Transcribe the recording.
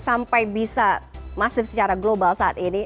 sampai bisa masif secara global saat ini